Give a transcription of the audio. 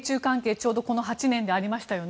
ちょうどこの８年でありましたよね。